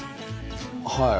はい。